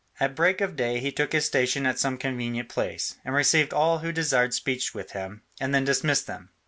At break of day he took his station at some convenient place, and received all who desired speech with him, and then dismissed them.